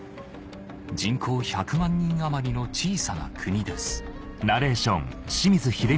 人口１００万人余りの小さな国です